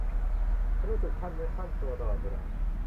จะรู้สึกครั่นเนื้อครั่นตัวตลอดเวลา